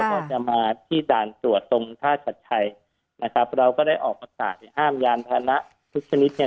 ก็จะมาที่ด่านตรวจตรงท่าชัดชัยนะครับเราก็ได้ออกประกาศห้ามยานพานะทุกชนิดเนี่ย